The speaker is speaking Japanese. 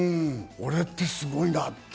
俺ってすごいなって。